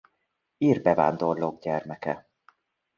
Ír bevándorlók gyermeke.